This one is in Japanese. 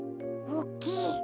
おっきい。